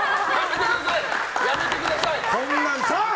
やめてください！